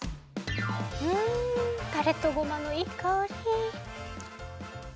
うんタレとごまのいいかおり！